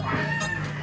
nah pak ustadz rw